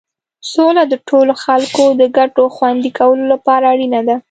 سوله د ټولو خلکو د ګټو خوندي کولو لپاره اړینه ده.